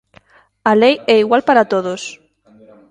A lei é igual para todos.